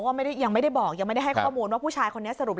ก็ยังไม่ได้บอกยังไม่ได้ให้ข้อมูลว่าผู้ชายคนนี้สรุป